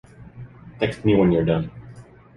Text me when you're done.